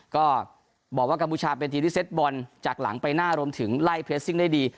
ก็บอกว่ากัมพูชาเป็นทีมที่เซ็ตบอลจากหลังไปหน้ารวมถึงไล่เรสซิ่งได้ดี